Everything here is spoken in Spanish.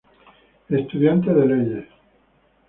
Estudiante de Leyes.